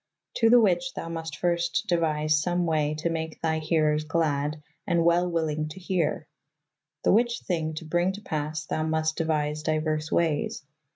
To the which thou must fyrst deuyse some wey to make thy herers glad & wel wyllyng to here. The which thynge to brynge to passe thou must deuyse dyuers weys.